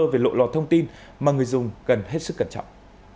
về lộ lọt thông tin mà người dùng cần hết sức cẩn trọng